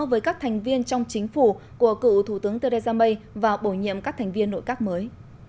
với các thành viên trong chính phủ của cựu thủ tướng theresa may và bổ nhiệm các thành viên nội các mới